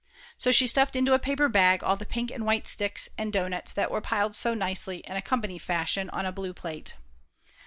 So she stuffed into a paper bag all the pink and white sticks and doughnuts that were piled so nicely, in a company fashion, on a blue plate.